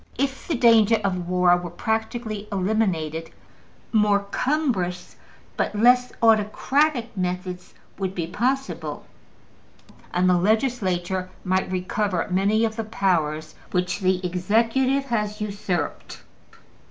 If the danger of war were practically eliminated, more cumbrous but less autocratic methods would be possible, and the Legislature might recover many of the powers which the executive has usurped.